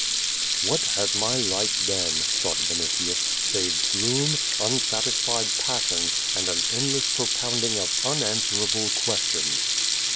"What has my life been," thought Vinitius, "save gloom, unsatisfied passion, and an endless propounding of unanswer able questions?"